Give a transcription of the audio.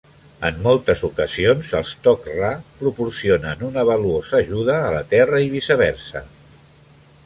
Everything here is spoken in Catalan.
En moltes ocasions, els Tok'ra proporcionen una valuosa ajuda a la Terra i viceversa.